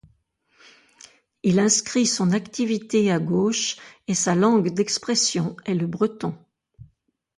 Il inscrit son activité à gauche et sa langue d'expression est le breton.